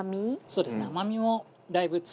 そうですよね。